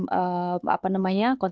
bagaimana kita membangun kebijakan